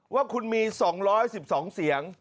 ว่าคุณมี๒๑๒เสียง